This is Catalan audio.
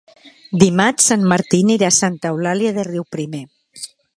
Dimarts en Martí anirà a Santa Eulàlia de Riuprimer.